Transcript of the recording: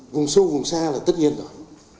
vùng sâu vùng xa là tất nhiên rồi